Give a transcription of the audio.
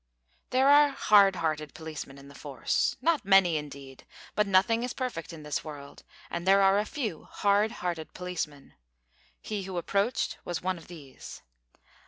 There are hard hearted policemen in the force not many, indeed, but nothing is perfect in this world, and there are a few hard hearted policemen. He who approached was one of these.